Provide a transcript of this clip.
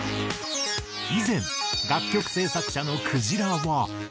以前楽曲制作者のくじらは。